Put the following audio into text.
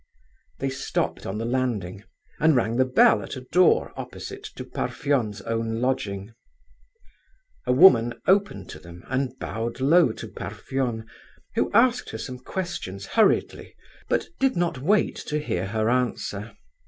They stopped on the landing, and rang the bell at a door opposite to Parfen's own lodging. An old woman opened to them and bowed low to Parfen, who asked her some questions hurriedly, but did not wait to hear her answer.